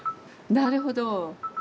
なるほど。